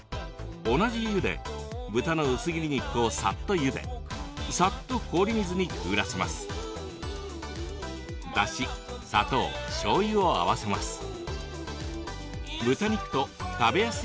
同じ湯で豚の薄切り肉をさっとゆでさっと氷水にくぐらせます。